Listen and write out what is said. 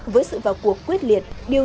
với sự vào cuộc quyết liễu